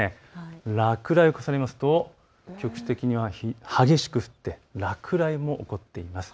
落雷を重ねると、局地的には激しく降って落雷も起こっています。